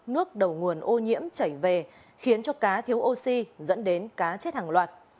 nước đầu nguồn ô nhiễm chảy về khiến cho cá thiếu oxy dẫn đến cá chết hàng loạt